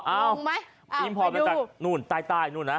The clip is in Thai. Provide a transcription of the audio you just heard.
อิมพอร์ตมาจากนู่นใต้นู่นนะ